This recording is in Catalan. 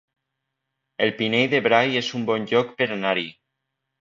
El Pinell de Brai es un bon lloc per anar-hi